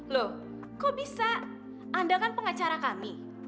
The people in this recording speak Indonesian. loh kok bisa anda kan pengacara kami